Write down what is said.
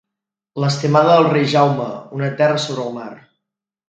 L’estimada del rei Jaume, una terra sobre el mar.